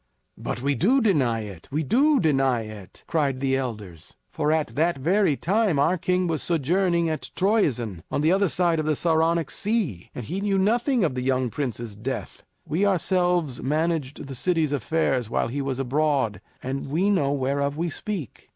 "But we do deny it we do deny it!" cried the elders. "For at that very time our king was sojourning at Troezen on the other side of the Saronic Sea, and he knew nothing of the young prince's death. We ourselves managed the city's affairs while he was abroad, and we know whereof we speak.